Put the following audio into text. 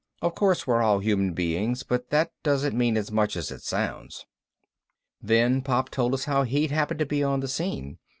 Of course we're all human beings, but that doesn't mean as much as it sounds. Then Pop told us how he'd happened to be on the scene.